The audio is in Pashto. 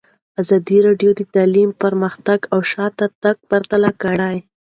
ازادي راډیو د تعلیم پرمختګ او شاتګ پرتله کړی.